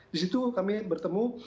di situ kami bertemu